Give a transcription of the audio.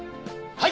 はい。